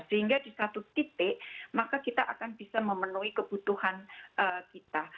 sehingga di satu titik maka kita akan bisa memenuhi kebutuhan kita